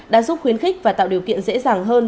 đã giúp khuyến khích và tạo điều kiện dễ dàng hơn